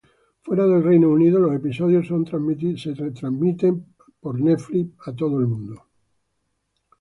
Fuera del Reino Unido, los episodios son transmitidos por Netflix en todo el mundo.